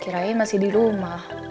kirain masih di rumah